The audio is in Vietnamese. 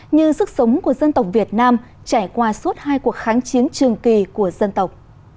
như sức sống của dân tộc việt nam trải qua suốt hai cuộc kháng chiến trường kỳ của dân tộc